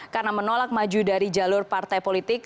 karena menolak maju dari jalur partai politik